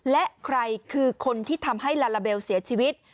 และใครคือคนที่ทำให้ลาลาเบลเสียชีวิต